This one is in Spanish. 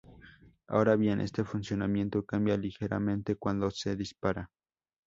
Ahora bien, este funcionamiento cambia ligeramente cuando se dispara.